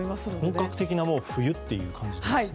本格的な冬という感じですね。